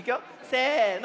せの。